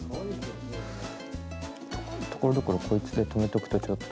ところどころこいつで留めとくとちょっと。